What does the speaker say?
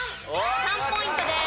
３ポイントです。